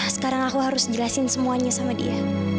sekarang aku harus jelasin semuanya sama dia